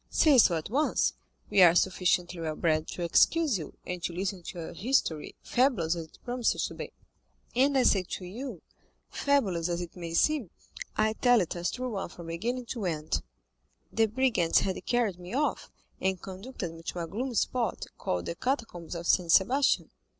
Say so at once; we are sufficiently well bred to excuse you, and to listen to your history, fabulous as it promises to be." "And I say to you, fabulous as it may seem, I tell it as a true one from beginning to end. The brigands had carried me off, and conducted me to a gloomy spot, called the Catacombs of Saint Sebastian."